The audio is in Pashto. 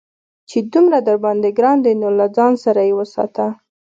چې دومره درباندې گران دى نو له ځان سره يې ساته.